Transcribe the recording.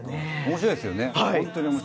面白いですよね。